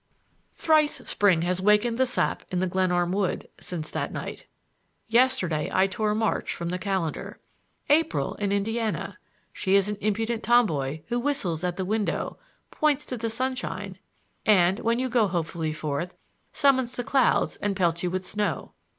Thrice spring has wakened the sap in the Glenarm wood since that night. Yesterday I tore March from the calendar. April in Indiana! She is an impudent tomboy who whistles at the window, points to the sunshine and, when you go hopefully forth, summons the clouds and pelts you with snow.